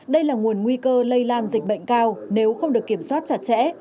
đây là nguồn nguy cơ lây lan dịch bệnh cao nếu không được kiểm soát chặt chẽ